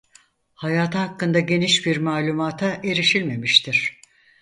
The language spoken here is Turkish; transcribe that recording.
Hayatı hakkında geniş bir malumata erişilmemiştir.